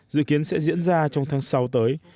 dự kiến sẽ diễn ra trong tháng sáu tới